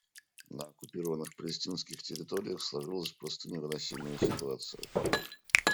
На оккупированных палестинских территориях сложилась просто невыносимая ситуация.